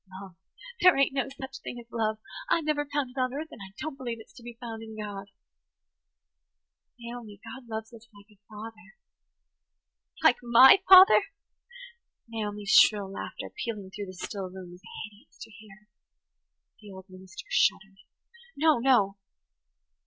Love! There ain't no such thing as love! I've never found it on earth, and I don't believe it's to be found in God." "Naomi, God loves us like a father." "Like my father?" Naomi's shrill laughter, pealing through the still room, was hideous to hear. The old minister shuddered. [Page 107] "No–no